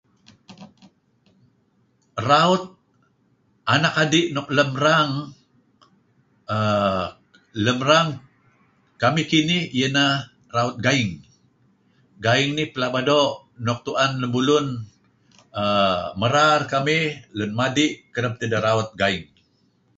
Raut anak adi' nuk lem rang kamih kinih iyeh neh raut gaing. Gaing nih pelaba doo' nuk tu'en lemulun err merar kamih, lun madi' kereb tideh raut gaing.